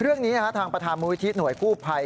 เรื่องนี้ทางประธานมูลิธิหน่วยกู้ภัย